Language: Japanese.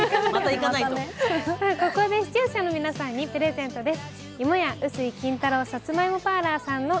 ここで視聴者の皆さんにプレゼントです。